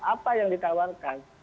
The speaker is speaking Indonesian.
apa yang ditawarkan